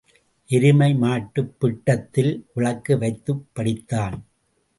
எருமை மாட்டுப் பிட்டத்தில் விளக்கு வைத்துப் படித்தான்.